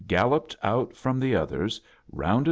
\\ ^galloped out f rom '.tlu!/. tfthers, rounded